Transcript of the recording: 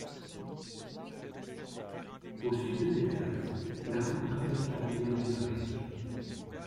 Au Sud de Texas, la route traverse la rivière Dumaresq.